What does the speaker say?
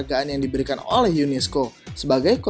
bank indonesia tentu saja menyambut baik